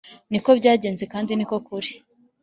niko byagenze kandi ni ukuri,